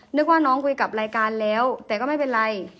นึกว่าน้องคุยกับรายการแล้วแต่ก็ไม่เป็นไร